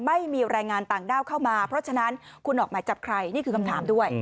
ไม่มีแรงงานต่างด้าวเข้ามาเพราะฉะนั้นคุณออกหมายจับใครนี่คือคำถามด้วย